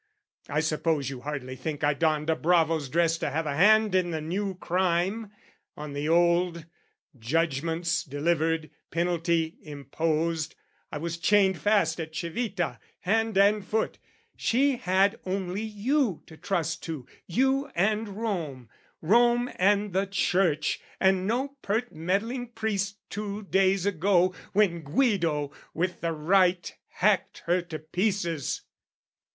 I suppose You hardly think I donned a bravo's dress To have a hand in the new crime; on the old, Judgment's delivered, penalty imposed, I was chained fast at Civita hand and foot She had only you to trust to, you and Rome, Rome and the Church, and no pert meddling priest Two days ago, when Guido, with the right, Hacked her to pieces.